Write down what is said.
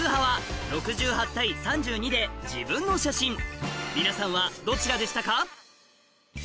さらに皆さんはどちらでしたか？